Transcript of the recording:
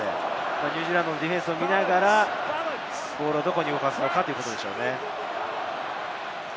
ニュージーランドのディフェンスを見ながらボールをどこに動かすのか？